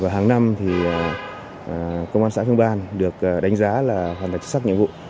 hàng năm công an xã phương ban được đánh giá là hoàn thành xuất sắc nhiệm vụ